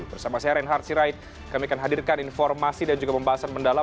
bersama saya reinhard sirait kami akan hadirkan informasi dan juga pembahasan mendalam